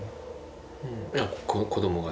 子どもが？